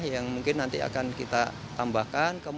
yang mungkin nanti akan kita tambahkan